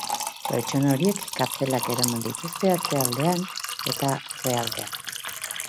Pertsona horiek kartelak eraman dituzte atzealdean eta aurrealdean.